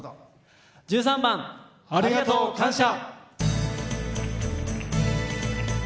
１３番「ありがとう感謝」。